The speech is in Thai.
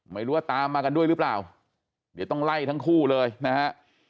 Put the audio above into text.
ไม่รู้ว่าตามมากันด้วยหรือเปล่าเดี๋ยวต้องไล่ทั้งคู่เลยนะฮะ